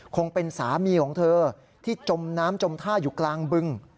คงเป็นสามีของเธอที่จมน้ำจมท่าอยู่กลางบึง